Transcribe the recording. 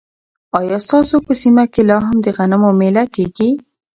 ایا ستاسو په سیمه کې لا هم د غنمو مېله کیږي؟